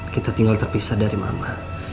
kita tinggal terpisah dari mama